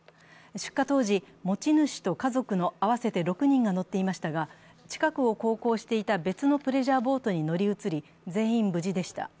出火当時、持ち主と家族の合わせて６人が乗っていましたが、近くを航行していた別のプレジャーボートに乗り移り、全員、無事でした。